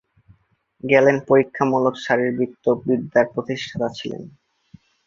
Gallon পরীক্ষামূলক শারীরবৃত্ত বিদ্যার প্রতিষ্ঠাতা ছিলেন।